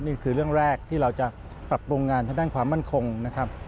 นี่คือเรื่องแรกที่เราจะปรับปรุงงานทางด้านความมั่นคงนะครับ